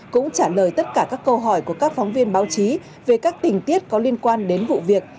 cũng trả lời tất cả các câu hỏi của các phóng viên báo chí về các tình tiết có liên quan đến vụ việc